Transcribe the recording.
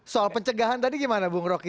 soal pencegahan tadi gimana bung rocky